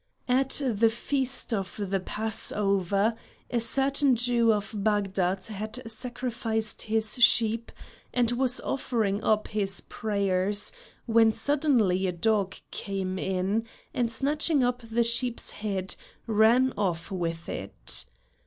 At the feast of the Passover, a certain Jew of Bagdad had sacrificed his sheep and was offering up his prayers, when suddenly a dog came in, and snatching up the sheep's head ran off with it.